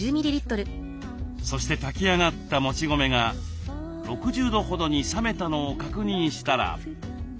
そして炊き上がったもち米が６０度ほどに冷めたのを確認したら。